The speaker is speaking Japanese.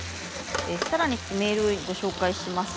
さらにメールをご紹介します。